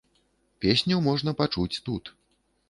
Песню можна пачуць тут.